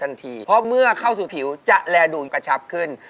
เพราะเมื่อเข้าสู่ผิวจะแลดูนกระชับขึ้น